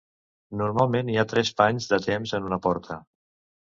Normalment hi ha tres panys de temps en una porta.